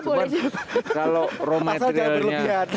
cuma kalau raw materialnya